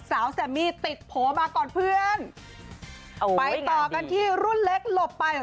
แซมมี่ติดโผล่มาก่อนเพื่อนไปต่อกันที่รุ่นเล็กหลบไป